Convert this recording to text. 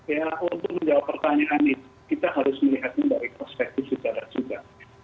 ya untuk menjawab pertanyaan itu kita harus melihatnya dari perspektif secara juga